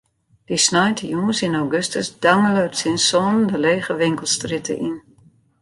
Dy sneontejûns yn augustus dangele er tsjin sânen de lege winkelstrjitte yn.